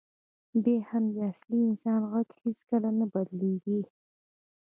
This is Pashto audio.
بیا هم د اصلي انسان غږ هېڅکله نه بدلېږي.